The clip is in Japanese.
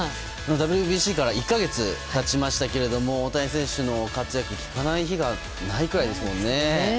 ＷＢＣから１か月経ちましたけど大谷選手の活躍、聞かない日がないくらいですものね。